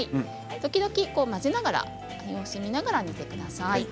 時々、混ぜながら様子を見ながら煮てください。